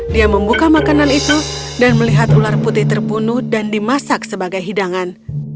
dia membuka makanan itu dan melihat ular putih terbunuh dan dimasak sebagai hidangan